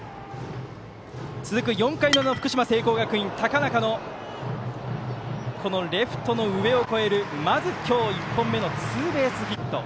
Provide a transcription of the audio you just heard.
続く４回裏の福島・聖光学院高中の、レフトの上を越える今日１本目のツーベースヒット。